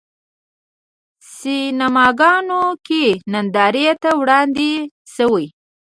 سینماګانو کې نندارې ته وړاندې شوی.